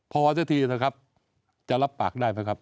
พอสักทีนะครับจะรับปากได้ไหมครับ